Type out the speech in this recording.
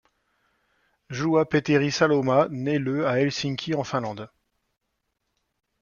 Juha Petteri Salomaa naît le à Helsinki en Finlande.